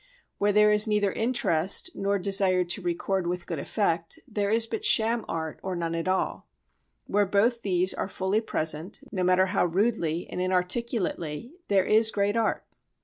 Where there is neither interest nor desire to record with good effect, there is but sham art, or none at all: where both these are fully present, no matter how rudely and inarticulately, there is great art.